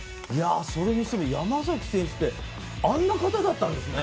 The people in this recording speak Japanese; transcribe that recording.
それにしても山崎選手ってあんな方だったんですね。